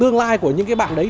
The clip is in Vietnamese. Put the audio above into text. tương lai của những bạn đấy